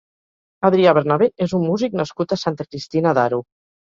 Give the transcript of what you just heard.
Adrià Bernabé és un músic nascut a Santa Cristina d'Aro.